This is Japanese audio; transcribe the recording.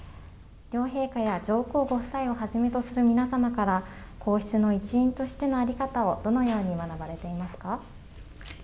両陛下や上皇ご夫妻をはじめとする皆様から皇室の一員としての在り方をどのように学ばれていますか。